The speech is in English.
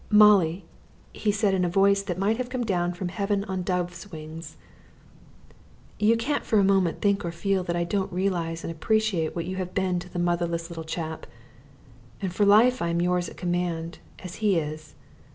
"Molly," he said in a voice that might have come down from heaven on dove wings, "you can't for a moment feel or think that I don't realise and appreciate what you have been to the motherless little chap, and for life I am yours at command, as he is.